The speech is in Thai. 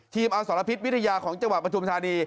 ทีมอสรพิษวิทยาของจังหวะปฐุมธานี